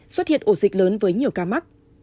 xuất hiện ổ dịch lớn với nhiều ca mắc